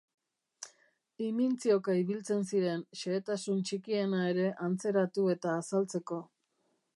Imintzioka ibiltzen ziren xehetasun txikiena ere antzeratu eta azaltzeko.